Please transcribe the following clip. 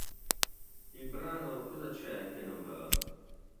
Il brano "Cosa c'è ke non va?